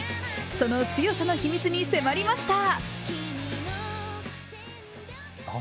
その強さの秘密に迫りました。